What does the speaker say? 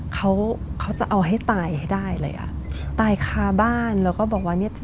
เขาเขาจะเอาให้ตายให้ได้เลยอ่ะตายคาบ้านแล้วก็บอกว่าเนี้ย